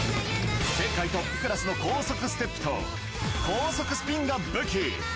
世界トップクラスの高速ステップと、高速スピンが武器。